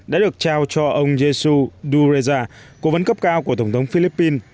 đã được trao cho ông jesu dureza cố vấn cấp cao của tổng thống philippines